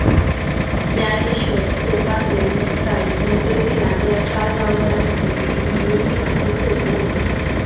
ज्ञानेश्वर, सोपानदेव मुक्ताई, निवृत्तिनाथ ह्या चार भावंडांमधे निवृत्तिनाथ हे थोरले होते.